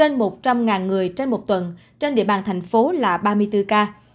năm người trên một tuần trên địa bàn thành phố là ba mươi bốn ca